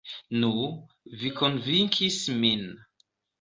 Nu, vi konvinkis min.